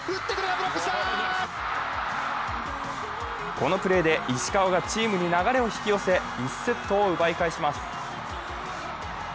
このプレーで石川がチームに流れを引き寄せ、１セットを奪い返します。